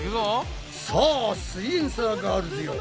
さあすイエんサーガールズよ